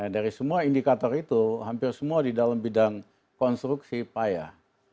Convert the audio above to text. dari semua indikator itu hampir semua di dalam bidang konstruksi payah